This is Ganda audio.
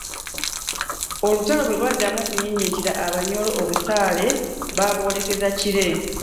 Olutalo bwe lwaddamu okunyinyittira Abanyoro obusaale baabwolekeza kire.